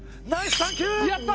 やった！